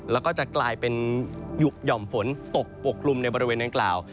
แล้วก็จะกลายเป็นหย่อมฝนตกปกคลุมในบริเวณดังกล่าว